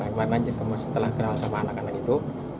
kemarin aja setelah kenal sama anak anak itu